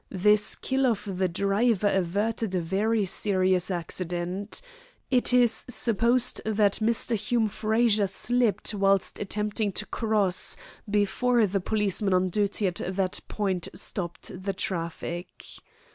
The skill of the driver averted a very serious accident. It is supposed that Mr. Hume Frazer slipped whilst attempting to cross before the policeman on duty at that point stopped the traffic.